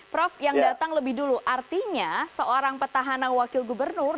prof yang datang lebih dulu artinya seorang petahana wakil gubernur